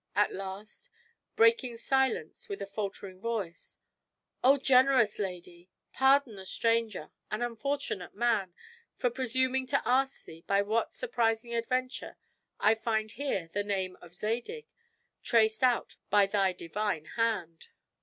At last, breaking silence with a faltering voice: "O generous lady! pardon a stranger, an unfortunate man, for presuming to ask thee by what surprising adventure I here find the name of Zadig traced out by thy divine hand!"